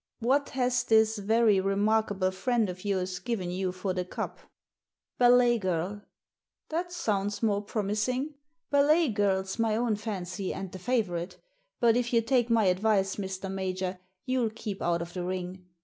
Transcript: What has this very re markable friend of yours given you for the Cup ?"« Ballet GirL" "That sounds more promising. Ballet Girl's my own fancy, and the favourite. But, if you take my advice, Mr. Major, you'll keep out of the ring.